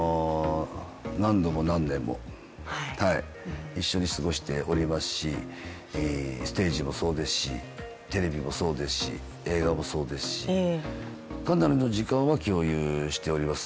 何度も何年も一緒に過ごしておりますし、ステージもそうですしテレビもそうですし映画もそうですしかなりの時間は共有しております。